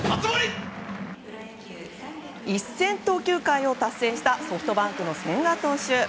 １０００投球回を達成したソフトバンクの千賀投手。